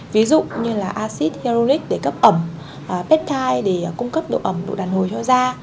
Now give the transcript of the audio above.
ví dụ như là acid hyaluronic để cấp ẩm peptide để cung cấp độ ẩm độ đàn hồi cho da